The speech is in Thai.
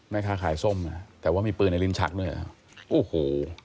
แม่ค้าขายส้มนะแต่ว่ามีปืนในลิ้นชักด้วยเหรอโอ้โห